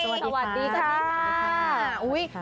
สวัสดีค่ะ